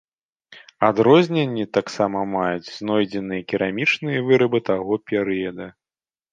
Адрозненні таксама маюць знойдзеныя керамічныя вырабы таго перыяда.